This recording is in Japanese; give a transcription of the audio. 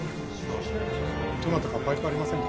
どなたかパイプありませんか？